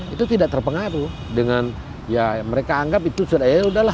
itu tidak terpengaruh dengan ya mereka anggap itu sudah ya sudah lah